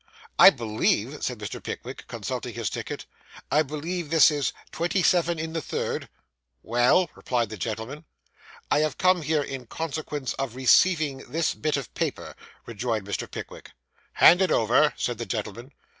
'I believe,' said Mr. Pickwick, consulting his ticket 'I believe this is twenty seven in the third?' 'Well?' replied the gentleman. 'I have come here in consequence of receiving this bit of paper,' rejoined Mr. Pickwick. 'Hand it over,' said the gentleman. Mr.